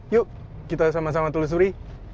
yuk kita sama sama telusuri